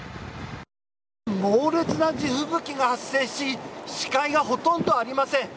猛烈な地吹雪が発生し視界がほとんどありません。